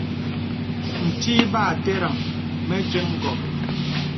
Ntí bà amà tərəŋ mə diəŋ gô.